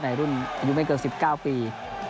รุ่นอายุไม่เกิน๑๙ปี